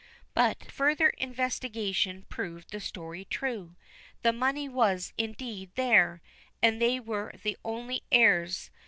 But further investigation proved the story true. The money was, indeed, there, and they were the only heirs.